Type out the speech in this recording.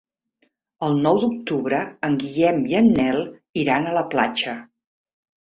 El nou d'octubre en Guillem i en Nel iran a la platja.